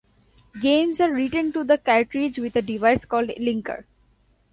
Games are written to the cartridge with a device called "linker".